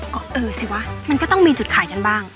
ก็เออสิวะมันก็ต้องมีจุดขายกันบ้าง